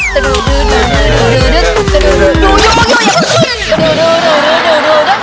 อย่าเพิ่งขึ้น